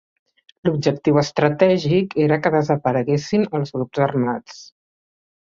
L'objectiu estratègic era que desapareguessin els grups armats.